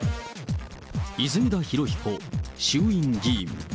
泉田裕彦衆院議員。